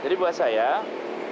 jadi tempat untuk orang berpindah